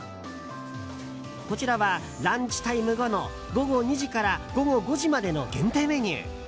こちらはランチタイム後の午後２時から午後５時までの限定メニュー。